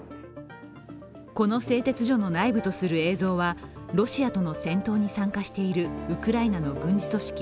この製鉄所の内部とする映像はロシアとの戦闘に参加しているウクライナの軍事組織